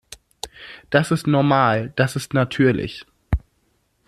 Das ist normal, das ist natürlich.